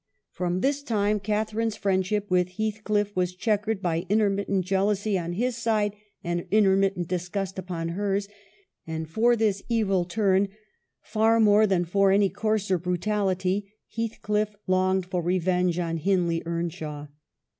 '" From this time Catharine's friendship with Heathcliff was chequered by intermittent jeal ousy on his side and intermittent disgust upon hers ; and for this evil turn, far more than for any coarser brutality, Heathcliff longed for re venge on Hindley Earnshaw.